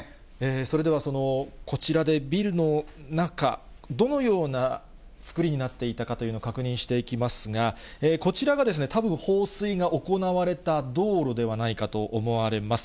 それではこちらでビルの中、どのような造りになっていたかというのを確認していきますが、こちらがたぶん放水が行われた道路ではないかと思われます。